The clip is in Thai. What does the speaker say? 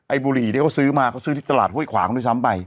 บุหรี่ที่เขาซื้อมาเขาซื้อที่ตลาดห้วยขวางด้วยซ้ำไป